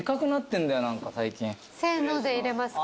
せーので入れますか？